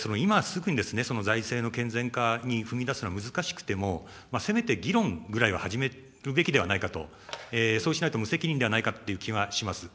今すぐに財政の健全化に踏み出すのは難しくても、せめて議論ぐらいは始めるべきではないかと、そうしないと無責任ではないかという気がします。